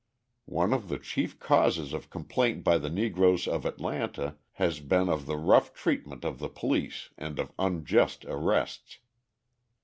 One of the chief causes of complaint by the Negroes of Atlanta has been of the rough treatment of the police and of unjust arrests.